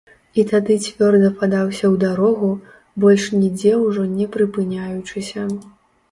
І тады цвёрда падаўся ў дарогу, больш нідзе ўжо не прыпыняючыся.